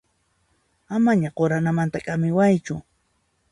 Amaña quranamanta k'amiwaychu.